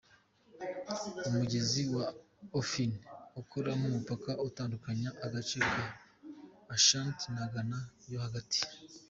Umugezi wa Ofin ukora nk’umupaka utandukanye agace ka Ashanti na Ghana yo hagati.